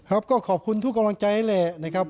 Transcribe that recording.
ครับก็ขอบคุณทุกกำลังใจแหละนะครับ